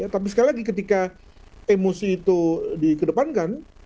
tapi sekali lagi ketika emosi itu dikedepankan